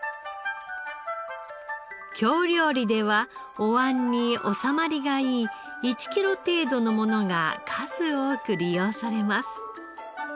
京料理ではお椀に収まりがいい１キロ程度のものが数多く利用されます。